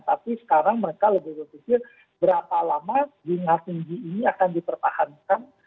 tapi sekarang mereka lebih berpikir berapa lama bunga tinggi ini akan dipertahankan